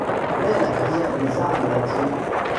Mais la carrière des armes l'attire.